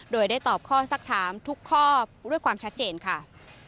โดยได้ตอบข้อสักถามทุกข้อด้วยความชัดเจนค่ะ